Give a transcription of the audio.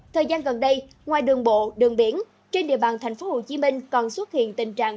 thời gian gần đây ngoài đường bộ đường biển trên địa bàn tp hcm còn xuất hiện tình trạng